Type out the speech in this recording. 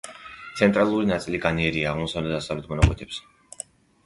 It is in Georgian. ცენტრალური ნაწილი განიერია აღმოსავლეთ და დასავლეთ მონაკვეთებზე.